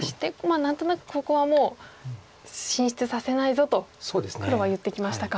何となくここはもう進出させないぞと黒は言ってきましたか。